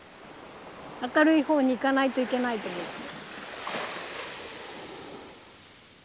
明るい方に行かないといけないと思って。